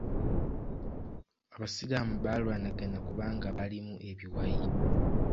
Abasiraamu balwanagana kubanga balimu ebiwayi.